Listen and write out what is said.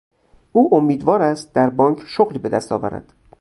او امیدوار است در بانک شغلی به دست آورد.